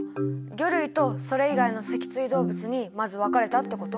魚類とそれ以外の脊椎動物にまず分かれたってこと？